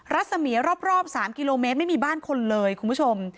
รัศมีรอบ๓กิโลเมตรไม่มีบ้านคนเลยคุณผู้ชม